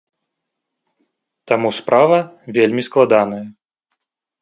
Таму справа вельмі складаная.